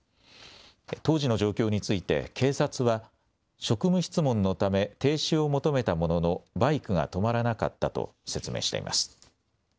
当時の状況について警察は、職務質問のため、停止を求めたものの、バイクが止まらなかったと説明しています。